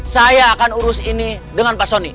saya akan urus ini dengan pak soni